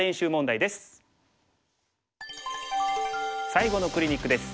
最後のクリニックです。